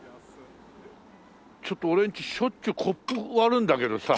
ちょっと俺んちしょっちゅうコップ割るんだけどさ。